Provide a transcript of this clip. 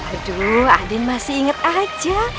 aduh aden masih ingat aja